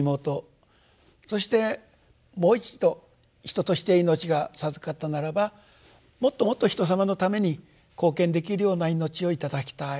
そしてもう一度人として命が授かったならばもっともっと人様のために貢献できるような命を頂きたい。